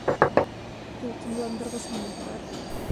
Тулҡынландырғыс минуттар...